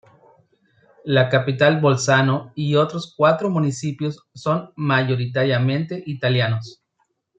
La capital Bolzano y otros cuatro municipios son mayoritariamente italianos.